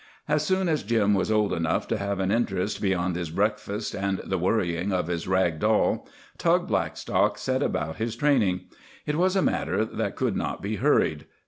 As soon as Jim was old enough to have an interest beyond his breakfast and the worrying of his rag ball, Tug Blackstock set about his training. It was a matter that could not be hurried.